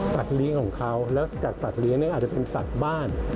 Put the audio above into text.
สัตว์ลิ้งของเขาแล้วสัตว์ลิ้งอาจจะเป็นสัตว์บ้าน